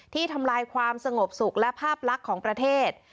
ทำลายความสงบสุขและภาพลักษณ์ของประเทศ